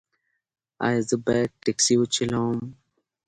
ایا زه باید ټکسي وچلوم؟